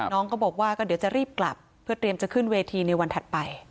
น้องก็บอกว่าก็เดี๋ยวจะรีบกลับเพื่อเตรียมจะขึ้นเวทีในวันถัดไป